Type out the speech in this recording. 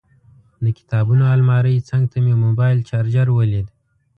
د کتابونو المارۍ څنګ ته مې موبایل چارجر ولید.